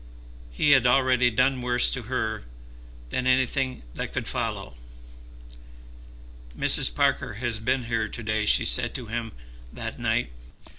He had already done worse to her than anything that could follow. "Mrs. Parker has been here to day," she said to him that night.